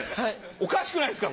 おかしくないっすか？